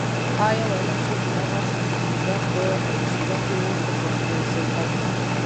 آیا ویلای شې چې دغه موږک په شېره کې و که په سرکه کې.